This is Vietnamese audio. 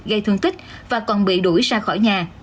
gây thương tích và còn bị đuổi ra khỏi nhà